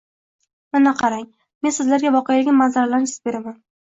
Mana qarang, men sizlarga voqelikning manzaralarini chizib beraman